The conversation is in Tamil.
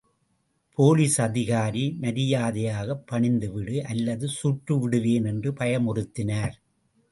போலிஸ் அதிகாரி மரியாதையாகப் பணிந்துவிடு அல்லது சுட்டுவிடுவேன் என்று பயமுறுத்தினார்.